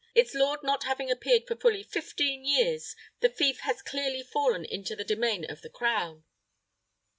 Its lord not having appeared for fully fifteen years, the fief has clearly fallen into the demesne of the crown."